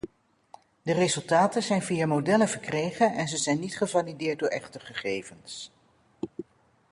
De resultaten zijn via modellen verkregen en ze zijn niet gevalideerd door echte gegevens.